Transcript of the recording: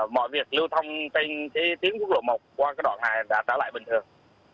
mọi việc lưu thông trên tuyến quốc lộ một qua đoạn hai đã trở lại bình thường